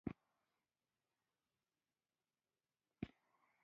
استخاره کله کوو؟